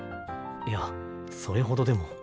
いやそれほどでも。